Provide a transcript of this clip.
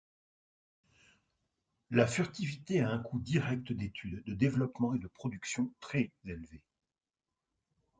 La furtivité a un coût direct d'étude, de développement et de production très élevé.